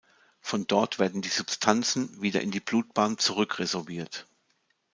Von dort werden die Substanzen wieder in die Blutbahn zurück resorbiert.